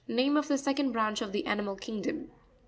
Name of the second branch of the animal kingdom.